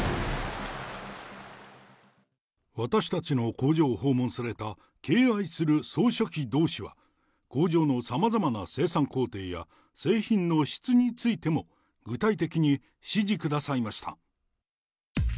私たちの工場を訪問された敬愛する総書記同志は、工場のさまざまな生産工程や、製品の質についても、具体的に指示くださいました。